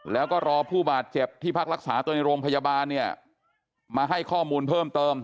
แล้วก็รอผู้บาดเจ็บที่พักรักษาตัวในโรงพยาบาลเนี่ยมาให้ข้อมูลเพิ่มเติม